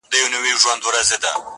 که څه کم و که بالابود و ستا په نوم و_